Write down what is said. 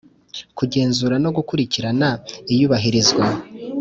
Kugenzura no gukurikirana iyubahirizwa